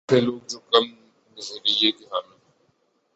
ایسے لوگ جو کم نظری کے حامل